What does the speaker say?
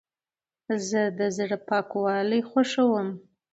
زه د زړه پاکوالی خوښوم.